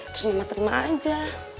terus nyuma terima aja